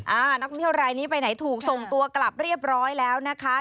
นักท่องเที่ยวรายนี้ไปไหนถูกส่งตัวกลับเรียบร้อยแล้วนะคะ